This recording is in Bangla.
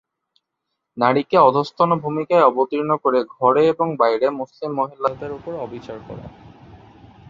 নারীকে অধস্তন ভূমিকায় অবতীর্ণ করে ঘরে এবং বাইরে মুসলিম মহিলাদের উপর অবিচার করা।